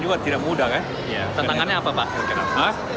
jadi kita harus lebih baik